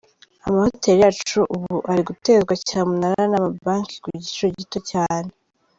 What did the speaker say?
Amahoteli yacu ubu ari gutezwa cyamunara n’ amabanki ku giciro gito cyane.